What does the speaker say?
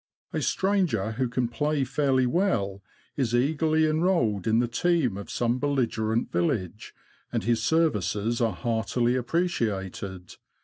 A stranger who can play fairly well is eagerly enrolled in the team of some belligerent village, and his ser vices are heartily appreciated.